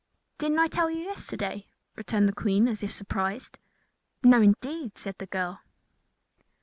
"Didn't I tell you yesterday?" returned the Queen, as if surprised. "No, indeed," said the girl.